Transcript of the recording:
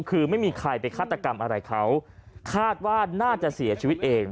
คือไม่มีใครไปฆาตกรรมอะไรเขาคาดว่าน่าจะเสียชีวิตเอง